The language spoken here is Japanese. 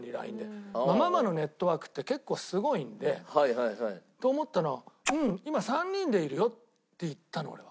ママのネットワークって結構すごいんで。と思ったら「うん今３人でいるよ」って言ったの俺は。